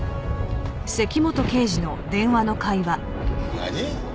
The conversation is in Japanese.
何？